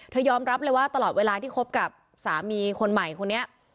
เธอยอมรับเลยว่าตลอดเวลาที่ครบกับสามีคนนี้